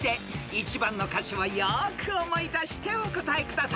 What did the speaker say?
［１番の歌詞をよーく思い出してお答えください］